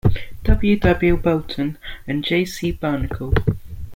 W. W. Bolton and J. C. Barnacle.